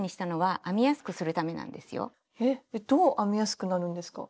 えっどう編みやすくなるんですか？